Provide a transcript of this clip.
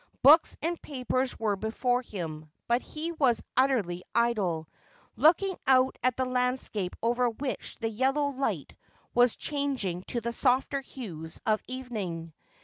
Books and papers were before him, but he was utterly idle, looking out at the landscape over which the yellow light was changing to the softer hues of evening.